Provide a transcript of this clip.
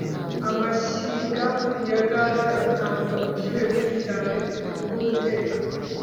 amashyiga ya gaz atanga ubushyuhe bwinshi cyane bwo guteka